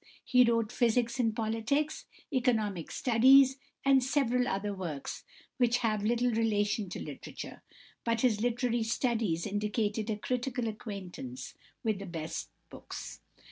He wrote "Physics and Politics," "Economic Studies," and several other works which have little relation to literature; but his "Literary Studies" indicated a critical acquaintance with the best books.